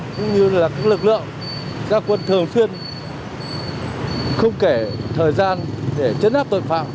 cũng là các lực lượng gia quân thường xuyên không kể thời gian để trấn áp tội phạm